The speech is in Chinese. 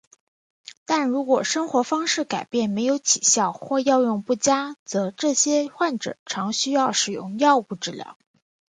但如果生活方式改变没有起效或效用不佳则这些患者常需要使用药物治疗。